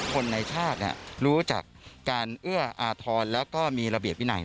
คนในชาติรู้จักการเอื้ออาทรแล้วก็มีระเบียบวินัย